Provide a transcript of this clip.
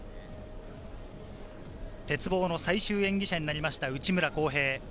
鉄棒の最終演技者になりました、内村航平。